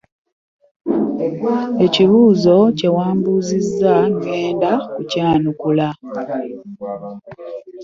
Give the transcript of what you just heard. Ekibuuzo kye wambuuzizza ŋŋenda kukyanukula.